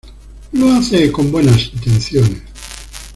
Lo hace con buenas intenciones.